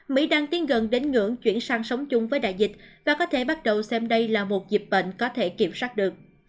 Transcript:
mỹ đang tiến gần đến ngưỡng chuyển sang sống chung với đại dịch và có thể bắt đầu xem đây là một dịp bệnh có thể kiểm soát được